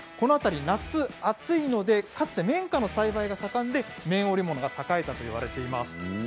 夏暑いのでかつて綿花の栽培が盛んで綿織物が栄えたと言われています。